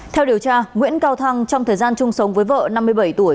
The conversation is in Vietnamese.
theo điều tra nguyễn cao thăng trong thời gian chung sống với vợ năm mươi bảy tuổi